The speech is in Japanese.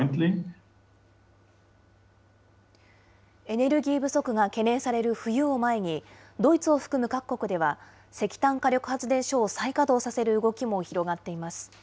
エネルギー不足が懸念される冬を前に、ドイツを含む各国では、石炭火力発電所を再稼働させる動きも広がっています。